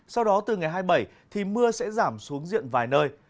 sau đó từ ngày hai mươi bảy thì mưa sẽ giảm xuống diện vài nơi